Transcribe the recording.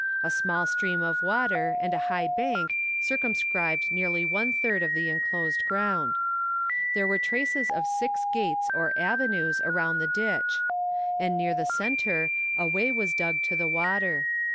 A small stream of water and a high bank circumscribed nearly one third of the enclosed ground. There were the traces of six gates, or avenues, round the ditch; and near the centre a way was dug to the water.